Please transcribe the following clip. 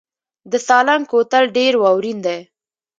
د سالنګ کوتل ډیر واورین دی